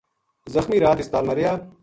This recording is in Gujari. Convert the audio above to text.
زخمی رات ہسپتال ما رہیا